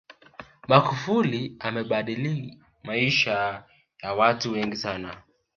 magufuli amebadili maisha ya watu wengi sana